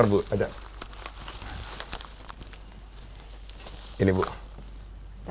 jangan lupa ditabung lo ya